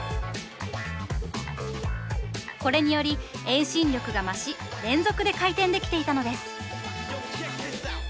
これにより遠心力が増し連続で回転できていたのです。